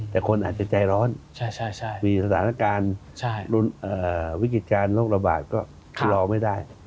แต่คนอาจจะใจร้อนมีสถานการณ์วิกฤติการโรคระบาดก็รอไม่ได้